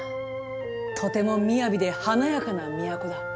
とても雅で華やかな都だ。